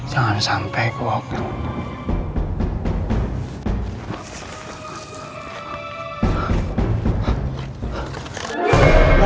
jangan sampe gue ketauan nih